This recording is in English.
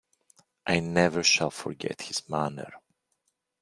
I never shall forget his manner.